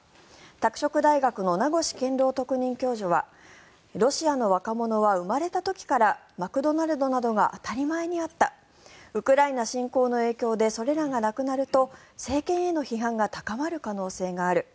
拓殖大学の名越健郎特任教授はロシアの若者は生まれた時からマクドナルドなどが当たり前にあったウクライナ侵攻の影響でそれらがなくなると政権への批判が高まる可能性がある。